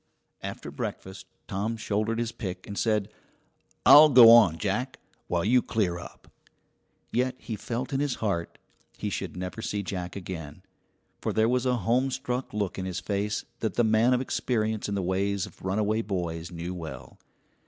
After breakfast Tom shouldered his pick and said: "I'll go on, Jack, while you clear up." Yet he felt in his heart he should never see Jack again; for there was a homestruck look in his face that the man of experience in the ways of runaway boys knew well.